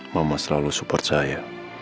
mama selalu support saya